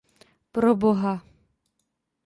Proboha!